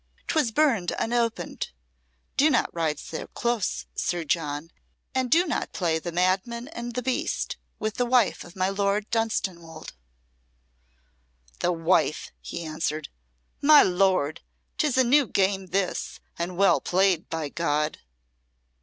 "'Twas burned unopened. Do not ride so close, Sir John, and do not play the madman and the beast with the wife of my Lord Dunstanwolde." "'The wife!'" he answered. "'My lord!' 'Tis a new game this, and well played, by God!"